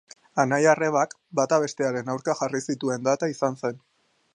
Anai arrebak, bata bestearen aurka jarri zituen data izan zen.